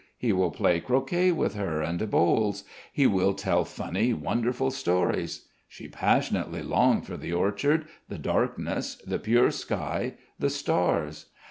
He will play croquet with her and bowls. He will tell funny, wonderful stories. She passionately longed for the orchard, the darkness, the pure sky, the stars.